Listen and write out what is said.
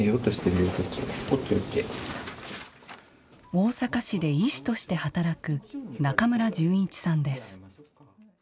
大阪市で医師として働く中村順一さんです。